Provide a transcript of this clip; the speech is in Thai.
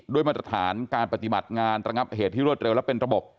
มาตรฐานการปฏิบัติงานระงับเหตุที่รวดเร็วและเป็นระบบ